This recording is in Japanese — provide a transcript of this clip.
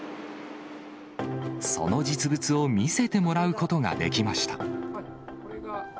その実物を見せてもらうことができました。